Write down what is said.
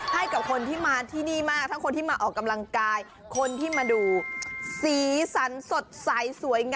ให้คนที่มาที่นี่มาคนที่มากำลังกาย